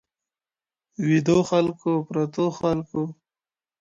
ویدو خلکو پرتو خلکو!